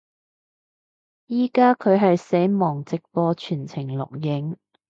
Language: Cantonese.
依家佢係死亡直播全程錄影